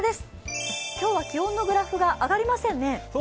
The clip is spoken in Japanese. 今日は気温のグラフが上がりませんね。